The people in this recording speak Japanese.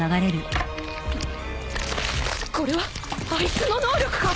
これはあいつの能力か！？